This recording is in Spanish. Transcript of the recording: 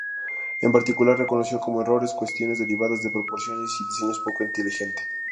En particular, reconoció como errores cuestiones derivadas de proporciones y diseños poco inteligente.